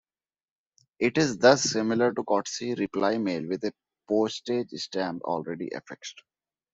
It is thus similar to courtesy reply mail with a postage stamp already affixed.